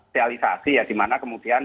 realisasi ya dimana kemudian